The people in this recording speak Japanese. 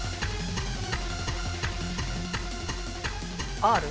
Ｒ？